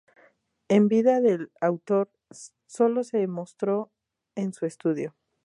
En vida del autor, solo se mostró en su estudio.